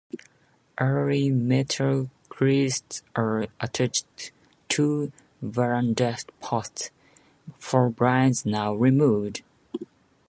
Early metal cleats are attached to verandah posts (for blinds now removed).